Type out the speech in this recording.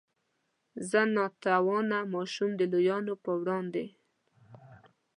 زه نا توانه ماشوم د لویانو په وړاندې.